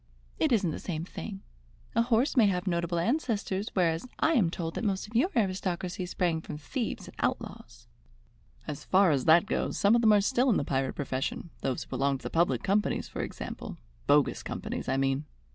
"It isn't the same thing. A horse may have notable ancestors, whereas I am told that most of your aristocracy sprang from thieves and outlaws." "As far as that goes, some of them are still in the pirate profession, those who belong to the public companies, for example, bogus companies, I mean.